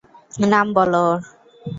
নাম বল ওর!